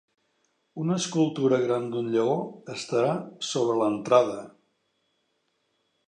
Una escultura gran d'un lleó estarà sobre l'entrada.